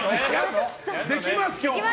できます、今日は！